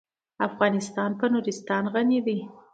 افغانستان په نورستان غني دی.